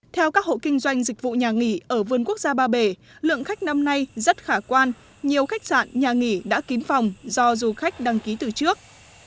theo các hộ kinh doanh dịch vụ nhà nghỉ ở vườn quốc gia ba bể lượng khách năm nay rất khả quan nhiều khách sạn nhà nghỉ đã kín phòng do du khách đăng ký từ trước